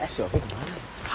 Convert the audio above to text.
si orfi kemana